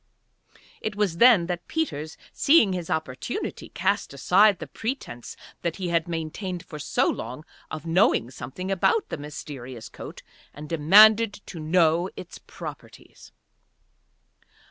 It was then that Peters, seeing his opportunity, cast aside the pretence that he had maintained for so long of knowing something about the mysterious coat, and demanded to know its properties.